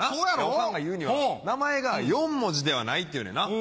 オカンが言うには名前が４文字ではないって言うねんな。